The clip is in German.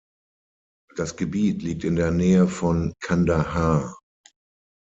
Das Gebiet liegt in der Nähe von Kandahar.